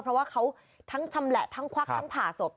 เพราะว่าเขาทั้งชำแหละทั้งควักทั้งผ่าศพ